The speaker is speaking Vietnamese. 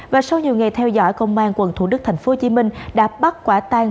và sau nhiều ngày theo dõi công an quận thủ đức tp hcm đã bắt quả tang